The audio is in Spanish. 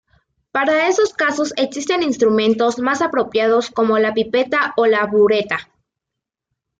Para esos casos existen instrumentos más apropiados como la pipeta o la bureta.